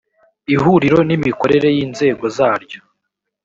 ihuriro n imikorere y inzego zaryo